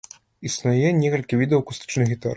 Існуе некалькі відаў акустычных гітар.